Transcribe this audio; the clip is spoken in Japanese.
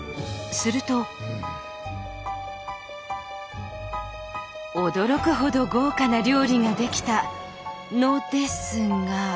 すると驚くほど豪華な料理が出来たのですが。